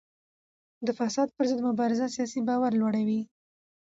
د فساد پر ضد مبارزه سیاسي باور لوړوي